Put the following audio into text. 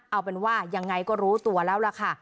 เอาเป็นว่ายังไงก็รู้ตัวแล้วล่ะค่ะ